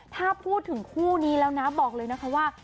ถ้าพูดถึงคู่นี้แล้วนะบอกเลยนะคะว่า